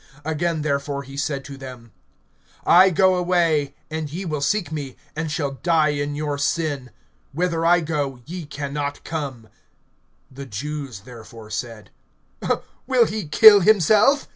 (21)Again therefore he said to them: I go away, and ye will seek me, and shall die in your sin. Whither I go, ye can not come. (22)The Jews therefore said: Will he kill himself?